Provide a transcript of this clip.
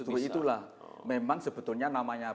justru itulah memang sebetulnya namanya